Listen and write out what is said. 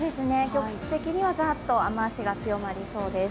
局地的にはざっと雨足がつよまりそうです。